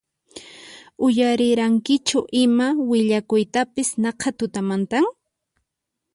Uyarirankichu ima willakuytapis naqha tutamantan?